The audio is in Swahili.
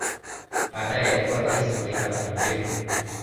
Baadaye alikuwa rais wa taifa la Nigeria